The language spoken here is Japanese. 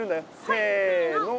せの。